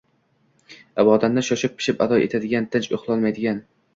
ibodatni shoshib-pishib ado etadigan, tinch uxlolmaydigan